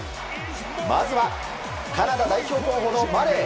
まずは、カナダ代表候補のマレー。